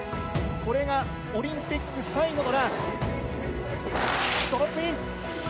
これがオリンピック最後のラン。